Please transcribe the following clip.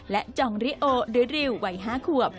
และจองริโอหรือริววัย๕ขวบ